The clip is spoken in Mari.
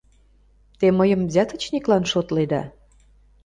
Те мыйым взяточниклан шотледа?